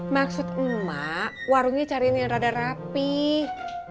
maksud emak warungnya cariin yang rada rapih